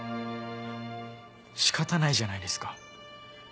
仕方ないじゃないですか。